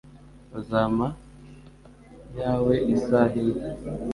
Uzampa yawe isaha imwe?